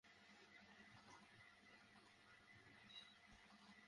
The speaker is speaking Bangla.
হঠাৎ শাহেদ আলী সুজন পাগলের মতো তাঁর পিঠ চুলকাতে শুরু করলেন।